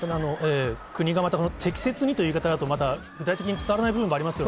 国が、また、適切にという言い方だとまた具体的に伝わらない部分がありますよ